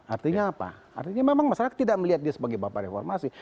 artinya apa artinya memang masyarakat tidak melihat dia sebagai bapak reformasi